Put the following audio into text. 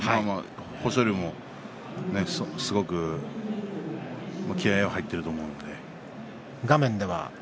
豊昇龍も、すごく気合いが入っていると思います。